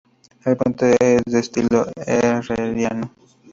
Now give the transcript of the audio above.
El puente es de estilo herreriano.